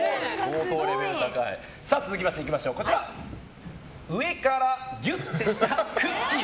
続きまして、上からギュってしたくっきー！